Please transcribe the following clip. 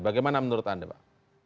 bagaimana menurut anda pak